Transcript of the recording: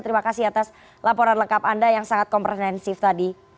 terima kasih atas laporan lengkap anda yang sangat komprehensif tadi